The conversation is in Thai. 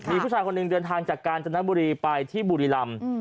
มีผู้ชายคนหนึ่งเดินทางจากกาญจนบุรีไปที่บุรีรำ